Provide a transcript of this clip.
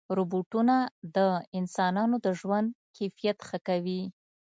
روبوټونه د انسانانو د ژوند کیفیت ښه کوي.